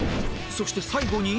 そして最後に